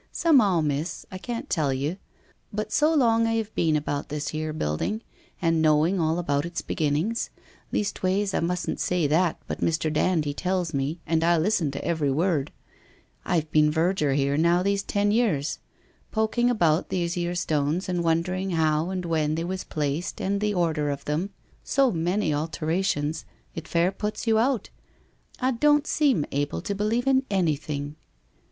Somehow, Miss — I can't tell you — but so long I have been about this here building, and knowing all about its beginnings —■ leastways I mustn't say that, but Mr. Dand he tells me, and I listen to every word ! I've been verger here now these ten years. Poking about these here stones, and wondering how and when they was placed and the order of them — so many alterations !— it fair puts you out — I don't seem able to believe in anything!'